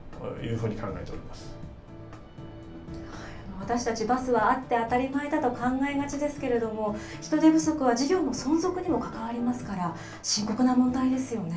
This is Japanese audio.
私たち、バスはあって当たり前だと考えがちですけれども、人手不足は事業の存続にも関わりますから、深刻な問題ですよね。